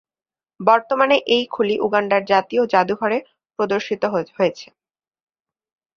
বর্তমানে এই খুলি উগান্ডার জাতীয় জাদুঘরে প্রদর্শিত হয়েছে।